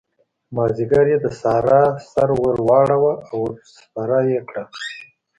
مازديګر يې د سارا سر ور واړاوو او ور سپره يې کړه.